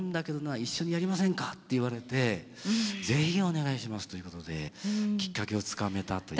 一緒にやりませんか」って言われて「是非お願いします」ということできっかけをつかめたという。